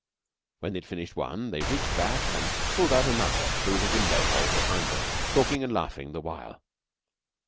When they had finished one, they reached back and pulled out another through the window hole behind them, talking and laughing the while.